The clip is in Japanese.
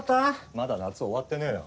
まだ夏終わってねえよ。